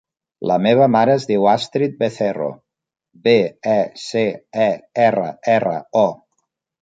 La meva mare es diu Astrid Becerro: be, e, ce, e, erra, erra, o.